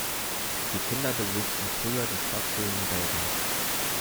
Die Kinder besuchten früher die Stadtschulen in Belgard.